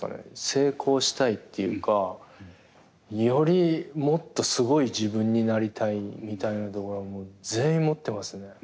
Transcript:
成功したいっていうかよりもっとすごい自分になりたいみたいなところを全員持ってますね。